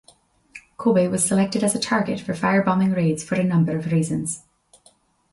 Kobe was selected as a target for firebombing raids for a number of reasons.